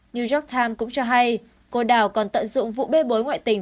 new york times cũng cho hay cô đảo còn tận dụng vụ bê bối ngoại tình